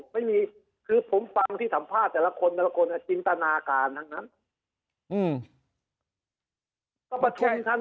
ไม่มีคือผมฟังที่สัมภาษณ์แต่ละคนแต่ละคนจินตนาการทั้งนั้น